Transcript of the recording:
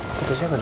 kutusnya nggak ada